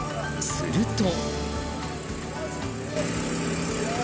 すると。